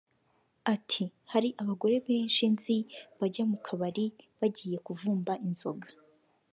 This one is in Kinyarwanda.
Ati “ Hari abagore benshi nzi bajya mu kabari bagiye kuvumba inzoga